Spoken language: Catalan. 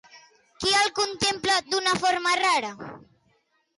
Qui el contempla d'una forma rara?